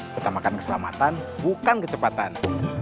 pertamakan keselamatan bukan kecepatan